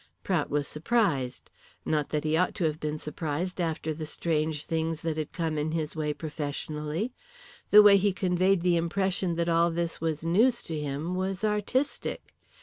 Prout was surprised. Not that he ought to have been surprised after the strange things that had come in his way professionally. The way he conveyed the impression that all this was news to him was artistic.